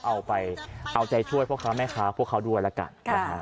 เอาไปเอาใจช่วยพ่อค้าแม่ค้าพวกเขาด้วยแล้วกัน